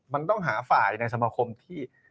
มันต้องหาฝ่ายในสมาคมที่